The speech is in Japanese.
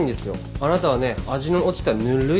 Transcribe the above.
あなたはね味の落ちたぬっるい